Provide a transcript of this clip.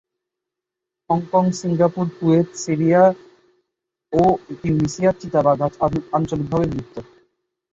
Hong Kong, Singapore, Kuwait, Syria, Libya ও তিউনিসিয়ায় চিতাবাঘ আজ আঞ্চলিকভাবে বিলুপ্ত।